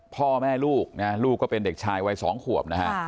พ่อแม่ลูกนะลูกก็เป็นเด็กชายวัย๒ขวบนะฮะ